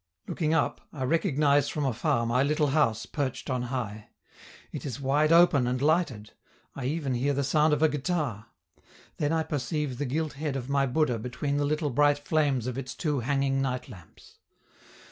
Looking up, I recognize from afar my little house, perched on high. It is wide open and lighted; I even hear the sound of a guitar. Then I perceive the gilt head of my Buddha between the little bright flames of its two hanging night lamps.